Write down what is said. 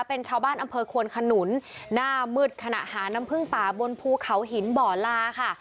เป็นชาวบ้านอำเภอควนขนุนหน้ามืดขณะหาน้ำพึ่งป่าบนภูเขาหินบ่อลาค่ะ